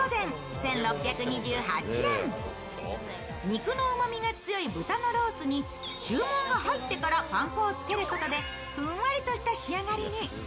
肉のうまみが強い豚のロースに注文が入ってからパン粉をつけることでふんわりとした仕上がりに。